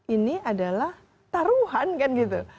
ini adalah taruhan kan gitu